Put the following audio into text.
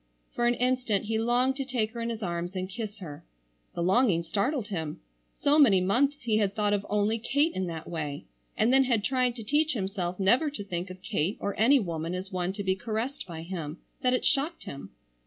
For an instant he longed to take her in his arms and kiss her. The longing startled him. So many months he had thought of only Kate in that way, and then had tried to teach himself never to think of Kate or any woman as one to be caressed by him, that it shocked him.